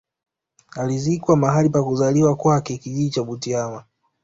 Alizikwa mahali pa kuzaliwa kwake kijiji cha Butiama